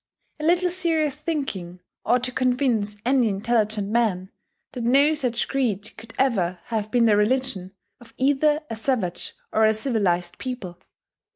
A little serious thinking ought to convince any intelligent man that no such creed could ever have been the religion of either a savage or a civilized people.